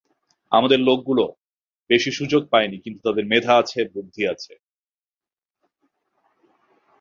আমাদের লোকগুলো বেশি সুযোগ পায়নি কিন্তু তাদের মেধা আছে, বুদ্ধি আছে।